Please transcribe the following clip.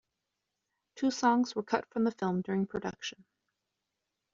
Two songs were cut from the film during production.